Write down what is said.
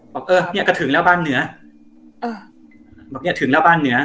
บอกเออเนี้ยก็ถึงแล้วบ้านเหนือเออบอกเนี้ยถึงแล้วบ้านเหนือ